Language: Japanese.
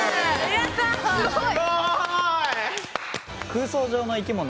すごい！